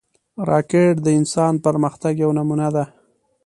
راکټ د انسان پرمختګ یوه نمونه ده